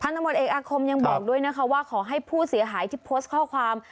ตำรวจเอกอาคมยังบอกด้วยนะคะว่าขอให้ผู้เสียหายที่โพสต์ข้อความ